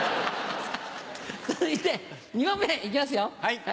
続いて２問目行きますよ。